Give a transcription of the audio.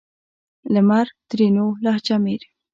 لمر؛ ترينو لهجه مير